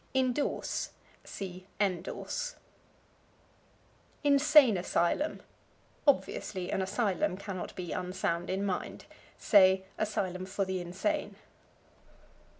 Indorse. See Endorse. Insane Asylum. Obviously an asylum cannot be unsound in mind. Say, asylum for the insane.